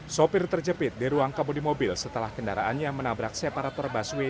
sopir terjepit di ruang kebodi mobil setelah kendaraannya menabrak separator busway